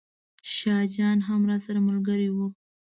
شاه جان هم راسره ملګری و.